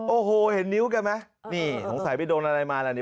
โอ้โหเห็นนิ้วกันมั้ยนี่สงสัยพี่โดนัลไลน์มาแล้วนี่